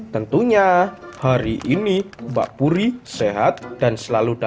tentunya hari ini mbak puri sehat dan selalu datang